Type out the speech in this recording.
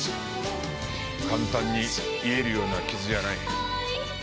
簡単に癒えるような傷じゃない。